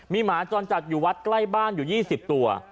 มีหมาจรจัดอยู่วัดใกล้บ้านอยู่๒๐ตัว